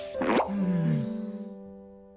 うん。